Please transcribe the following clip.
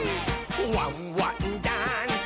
「ワンワンダンス！」